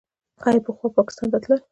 آیا پخوا پاکستان ته تلل؟